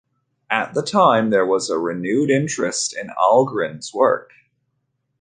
At the time, there was a renewed interest in Algren's work.